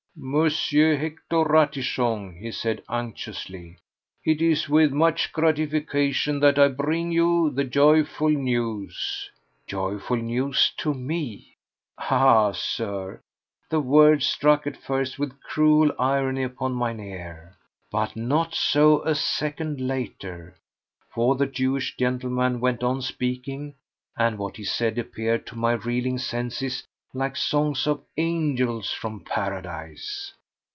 "Monsieur Hector Ratichon," he said unctuously, "it is with much gratification that I bring you the joyful news." Joyful news!—to me! Ah, Sir, the words struck at first with cruel irony upon mine ear. But not so a second later, for the Jewish gentleman went on speaking, and what he said appeared to my reeling senses like songs of angels from paradise.